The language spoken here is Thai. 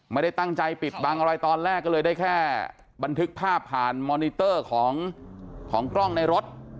ไม่ได้ตั้งใจปิดบังอะไรตอนแรกก็เลยได้แค่บันทึกภาพผ่านมอนิเตอร์ของกล้องในรถ